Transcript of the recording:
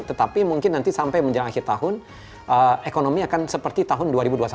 tetapi mungkin nanti sampai menjelang akhir tahun ekonomi akan seperti tahun dua ribu dua puluh satu